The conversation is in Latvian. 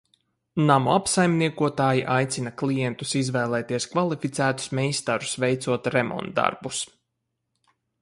Namu apsaimniekotāji aicina klientus izvēlēties kvalificētus meistarus veicot remontdarbus.